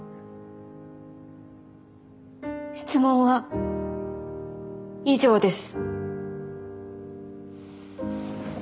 質問は以上です。